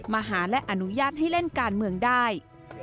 มาหาและอนุญาตให้เล่นการเมืองได้